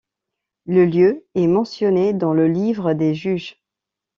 Le lieu est mentionné dans le Livre des Juges.